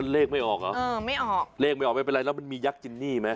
ลีกไม่ออกไม่เป็นไรแล้วมันมียักษ์จินนี่ไหม